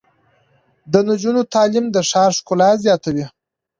د نجونو تعلیم د ښار ښکلا زیاتوي.